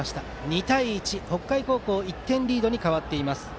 ２対１と北海高校が１点リードに変わっています。